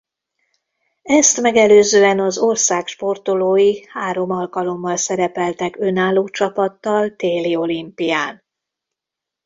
Ezt megelőzően az ország sportolói három alkalommal szerepeltek önálló csapattal téli olimpián.